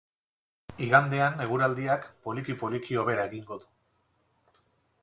Igandean eguraldiak, poliki-poliki, hobera egingo du.